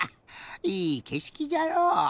いいけしきじゃろ？